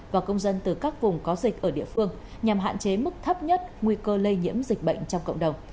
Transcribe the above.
và công dân từ các vùng có dịch ở địa phương nhằm hạn chế mức thấp nhất nguy cơ lây nhiễm dịch bệnh trong cộng đồng